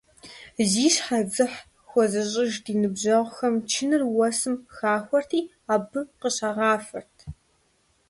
Зи щхьэ дзыхь хуэзыщӏыж ди ныбжьэгъухэм чыныр уэсым хахуэрти, абы къыщагъафэрт.